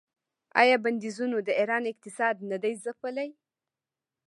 آیا بندیزونو د ایران اقتصاد نه دی ځپلی؟